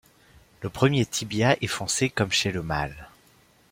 Le premier tibia est foncé comme chez le mâle.